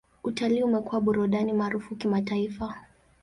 Utalii umekuwa burudani maarufu kimataifa.